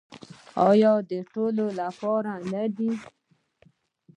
آیا د ټولو لپاره نه دی؟